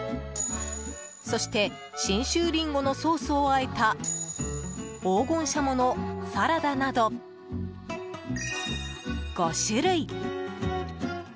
そして信州リンゴのソースをあえた黄金シャモのサラダなど５種類。